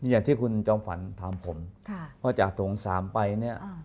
อย่างที่คุณจอมฝันถามผมว่าจากโถง๓ไปเนี่ย